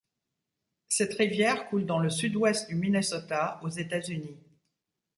Cette rivière coule dans le sud-ouest du Minnesota aux États-Unis.